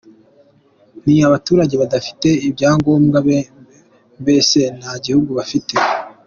Ni abaturage badafite ibyangombwa, mbese nta gihugu bafite.